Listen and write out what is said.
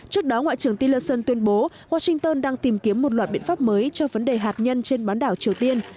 trước đó ngoại trưởng tillson tuyên bố washington đang tìm kiếm một loạt biện pháp mới cho vấn đề hạt nhân trên bán đảo triều tiên